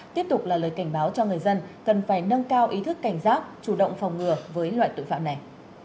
tiếp tục là lời cảnh báo cho người dân cần phải nâng cao ý thức cảnh giác chủ động phòng ngừa với loại tội phạm này